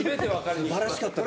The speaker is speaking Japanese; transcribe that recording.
すばらしかったです。